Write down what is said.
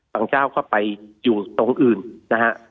เจ้าก็ไปอยู่ตรงอื่นนะฮะ